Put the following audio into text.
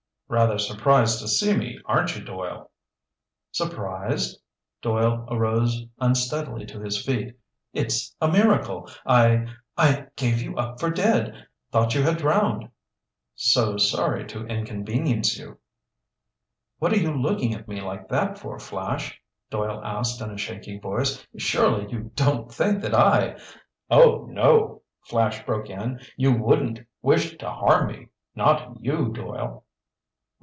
"Rather surprised to see me, aren't you, Doyle?" "Surprised?" Doyle arose unsteadily to his feet. "It's a miracle! I—I gave you up for dead. Thought you had drowned." "So sorry to inconvenience you." "What are you looking at me like that for, Flash?" Doyle asked in a shaky voice. "Surely you don't think that I—" "Oh, no!" Flash broke in. "You wouldn't wish to harm me! Not you, Doyle!"